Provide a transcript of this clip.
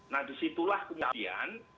nah disitulah penyelidikan